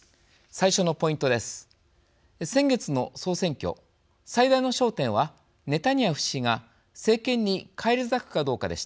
最初のポイントです。